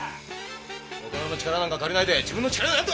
大人の力なんか借りないで自分の力で何とかしろ！